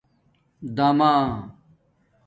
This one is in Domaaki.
دَمہ